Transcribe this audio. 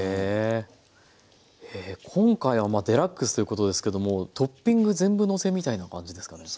今回はデラックスということですけどもトッピング全部のせみたいな感じですかね？